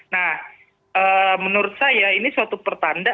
nah menurut saya ini suatu pertanda